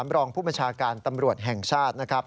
รองผู้บัญชาการตำรวจแห่งชาตินะครับ